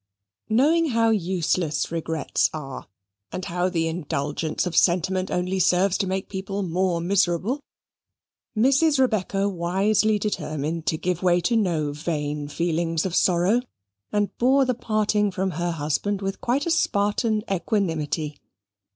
Knowing how useless regrets are, and how the indulgence of sentiment only serves to make people more miserable, Mrs. Rebecca wisely determined to give way to no vain feelings of sorrow, and bore the parting from her husband with quite a Spartan equanimity.